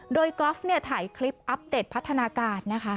โดยก๊อฟถ่ายคลิปอัปเดตพัฒนาการนะคะ